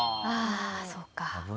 ああそっか。